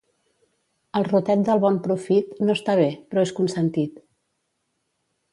El rotet del bon profit no està bé, però és consentit.